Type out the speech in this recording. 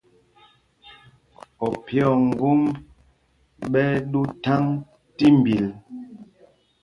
Opyē o ŋgómb ɓɛ́ ɛ́ ɗū thaŋ tí mbil.